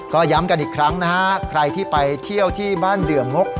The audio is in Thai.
ก็ย้ำกันอีกครั้งนะฮะใครที่ไปเที่ยวที่บ้านเดื่องก